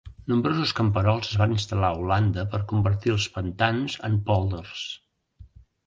Nombrosos camperols es van instal·lar a Holanda per convertir els pantans en pòlders.